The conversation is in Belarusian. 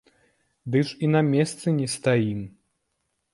Ды ж і на месцы не стаім.